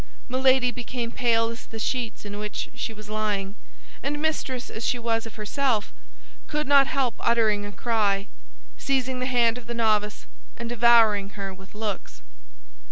Milady became as pale as the sheets in which she was lying, and mistress as she was of herself, could not help uttering a cry, seizing the hand of the novice, and devouring her with looks.